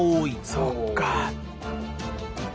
そっか。